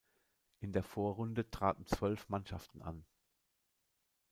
In der Vorrunde traten zwölf Mannschaften an.